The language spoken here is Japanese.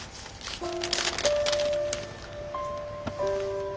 うん。